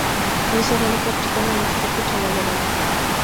নিসার আলি তাঁর ঠিকানা লিখে রেখে চলে গেলেন।